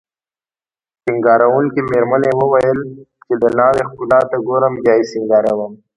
سینګاروونکې میرمنې وویل چې د ناوې ښکلا ته ګورم بیا یې سینګاروم